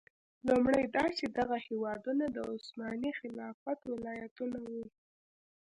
لومړی دا چې دغه هېوادونه د عثماني خلافت ولایتونه وو.